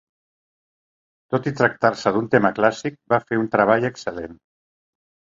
Tot i tractar-se d'un tema clàssic, va fer un treball excel·lent.